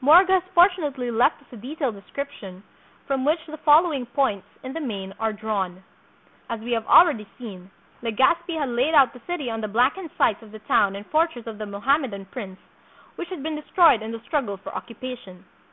Morga has fortunately left us a detailed de scription from which the following points in the main are drawn. As wo have already seen, Legazpi had laid out the city on the blackened site of the town and fortress of the Mohammedan prince, which had been destroyed in the struggle for occupation.